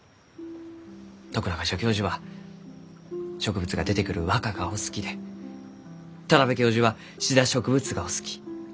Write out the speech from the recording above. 徳永助教授は植物が出てくる和歌がお好きで田邊教授はシダ植物がお好き。